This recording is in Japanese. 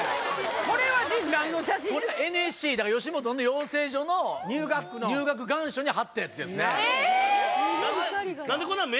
これは陣ＮＳＣだから吉本の養成所の入学願書に貼ったやつですねえーっ？